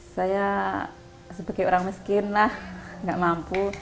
saya sebagai orang miskin lah nggak mampu